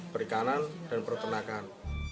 perikanan dan pertenakan